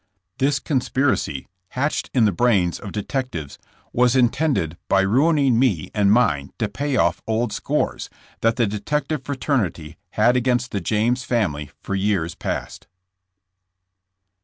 , This conspiracy, hatched in the brains of detectives, was intended by ruining me and mine to pay off old scores that the detective fraternity had against the James family for years past.